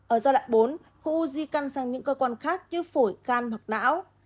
ở giai đoạn bốn khối u di căn sang những cơ quan khác như phổi can hoặc não